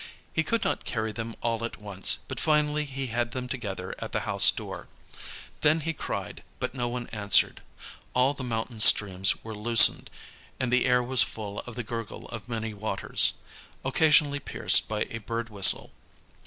He could not carry them all at once, but finally he had them together at the house door. Then he cried, but no one answered. All the mountain streams were loosened, and the air was full of the gurgle of many waters, occasionally pierced by a bird whistle.